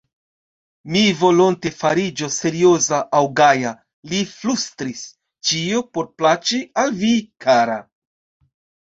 Mi volonte fariĝos serioza aŭ gaja, li flustris ; ĉio por plaĉi al vi, kara.